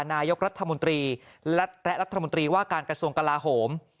นายกรัฐมนตรีและรัฐมนตรีว่าการกระทรวงกลาโหม